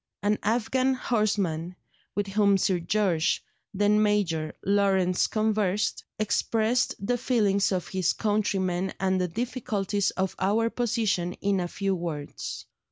An Afghan horseman, with whom Sir George (then Major) Lawrence conversed, expressed the feelings of his countrymen and the difficulties of our position in a few words.